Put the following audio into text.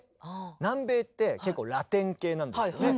南米って結構ラテン系なんですよね。